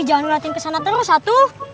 ih jangan ngeliatin kesana terus atu